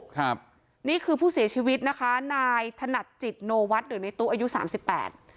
ครับนี่คือผู้เสียชีวิตนะคะนายถนัดจิตโนวัฒน์หรือในตู้อายุสามสิบแปด